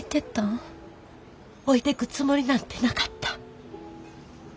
置いてくつもりなんてなかった。